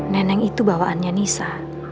neneng itu bawaannya nisa